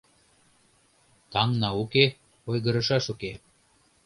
Таҥна уке - ойгырышаш уке.